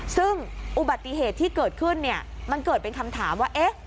ซึ่งอุบัติเหตุที่เกิดขึ้นเนี่ยมันเกิดเป็นคำถามว่า